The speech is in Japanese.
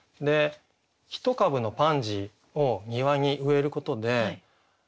一株のパンジーを庭に植えることで急にね